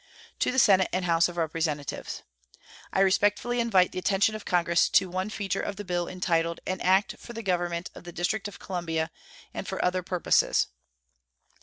To the Senate and House of Representatives: I respectfully invite the attention of Congress to one feature of the bill entitled "An act for the government of the District of Columbia, and for other purposes."